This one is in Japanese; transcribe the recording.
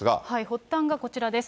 発端がこちらです。